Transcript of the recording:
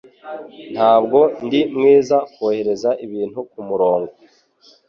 Ntabwo ndi mwiza kohereza ibintu kumurongo.